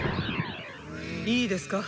いいですか。